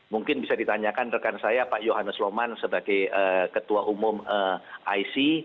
mungkin bisa ditanyakan rekan saya pak yohanes loman sebagai ketua umum ic